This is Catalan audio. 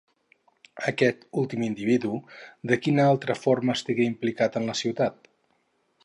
Aquest últim individu, de quina altra forma estigué implicat en la ciutat?